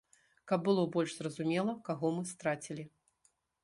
Каб было больш зразумела, каго мы страцілі.